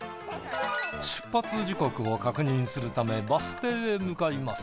出発時刻を確認するためバス停へ向かいます。